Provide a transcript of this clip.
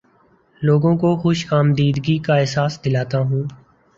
لوگوں کو خوش آمدیدگی کا احساس دلاتا ہوں